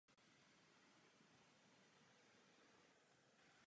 Mezitím se v reálném světě Sion připravuje k boji proti strojům.